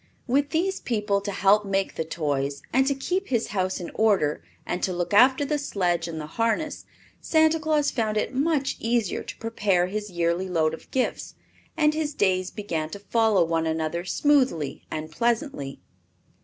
With these people to help make the toys and to keep his house in order and to look after the sledge and the harness, Santa Claus found it much easier to prepare his yearly load of gifts, and his days began to follow one another smoothly and pleasantly.